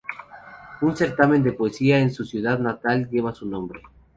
Un certamen de poesía en su ciudad natal lleva su nombre.